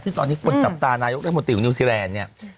ตอนนี้คนจับตานายกรัฐมนตรีของนิวซีแลนด์เนี่ย